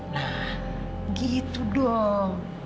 nah gitu dong